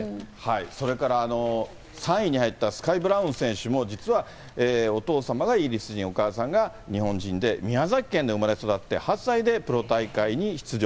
それから３位に入ったスカイ・ブラウン選手も実はお父様がイギリス人、お母様が日本人で宮崎県で生まれ育って、８歳でプロ大会に出場。